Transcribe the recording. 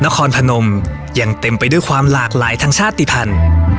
นครพนมยังเต็มไปด้วยความหลากหลายทางชาติภัณฑ์